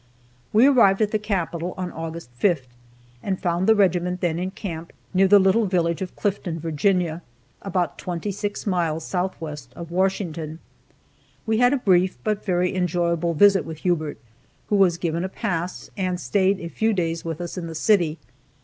We arrived at the capital on August 5th, and found the regiment then in camp near the little village of Clifton, Virginia, about twenty six miles southwest of Washington. We had a brief but very enjoyable visit with Hubert, who was given a pass, and stayed a few days with us in the city.